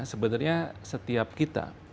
sebenarnya setiap kita